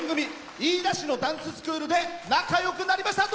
飯田市のダンススクールで仲よくなりました。